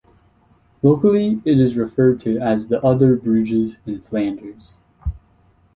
Locally it is referred to as "the other Bruges in Flanders".